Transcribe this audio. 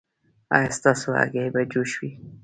ایا ستاسو هګۍ به جوش وي؟